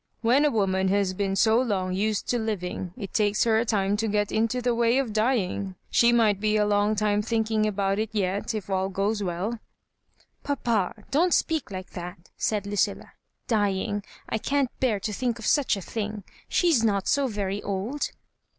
When a woman has been so long used to living, it takes her a time to get into the way of dying. She might be a long time thinking about it yet, if all goes well " "Papa, don't speak like that," said Lucilla. " Dying 1 I can't bear to think of such a thing. She is not so very old."